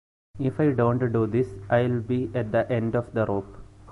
If I don't do this, I'll be at the end of the rope.